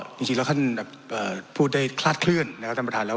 จริงแล้วท่านพูดได้คลาดเคลื่อนนะครับท่านประธานแล้ว